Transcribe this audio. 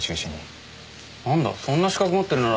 なんだそんな資格持ってるなら。